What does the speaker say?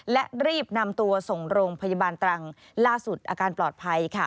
และรีบนำตัวส่งโรงพยาบาลตรังล่าสุดอาการปลอดภัย